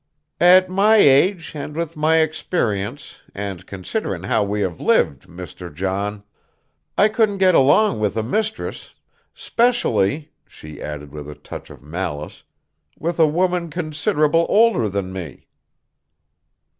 "At my age, and with my experience, and considerin' how we have lived, Mr. John, I couldn't get along with a mistress, 'specially," she added with a touch of malice, "with a woman considerable older than me."